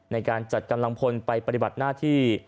ในการจัดกำลังพลไปปฏิบัติหน้าที่